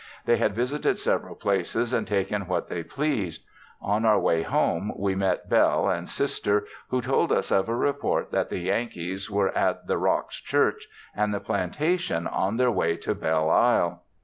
They had visited several places and taken what they pleased. On our way home we met Belle and Sister who told us of a report that the Yankees were at The Rocks Church and the plantation on their way to Belle Isle.